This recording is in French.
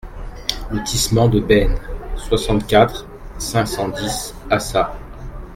Lotissement de Bayne, soixante-quatre, cinq cent dix Assat